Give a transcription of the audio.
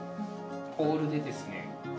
ホールでですね。